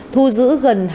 thu giữ gần hai mươi đồng